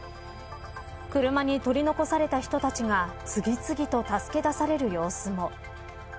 車に取り残された人たちが次々と助け出される様子も。